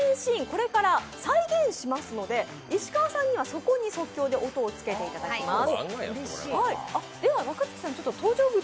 これから再現しますので石川さんには、そこに即興で音をつけていただきます。